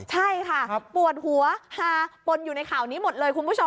ใช่ค่ะปวดหัวฮาปนอยู่ในข่าวนี้หมดเลยคุณผู้ชม